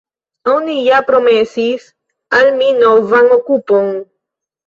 Oni ja promesis al mi novan okupon.